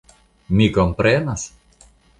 Mi komprenas?